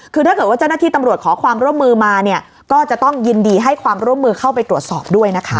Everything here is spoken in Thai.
คือถ้าเกิดว่าเจ้าหน้าที่ตำรวจขอความร่วมมือมาเนี่ยก็จะต้องยินดีให้ความร่วมมือเข้าไปตรวจสอบด้วยนะคะ